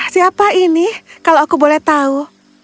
siapa ini kalau aku boleh tahu